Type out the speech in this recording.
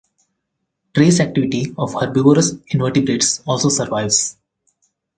Trace activity of herbivorous invertebrates also survives.